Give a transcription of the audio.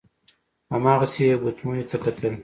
هماغسې يې ګوتميو ته کتل.